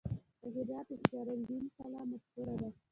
د هرات اختیار الدین کلا مشهوره ده